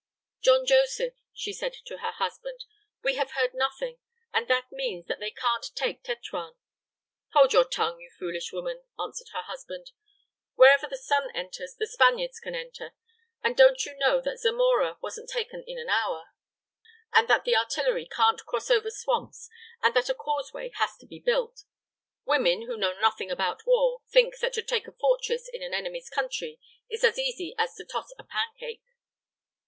"John Joseph," she said to her husband, "we have heard nothing, and that means that they can't take Tetuan." "Hold your tongue, you foolish woman," answered her husband; "wherever the sun enters the Spaniards can enter. And don't you know that Zamora wasn't taken in an hour, and that the artillery can't cross over swamps, and that a causeway has to be built? Women, who know nothing about war, think that to take a fortress in an enemy's country is as easy as to toss a pan cake."